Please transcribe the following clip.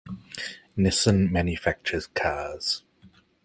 Nissan manufactures cars.